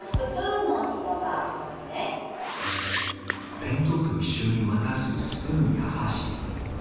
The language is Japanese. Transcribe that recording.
弁当と一緒に渡すスプーンや箸。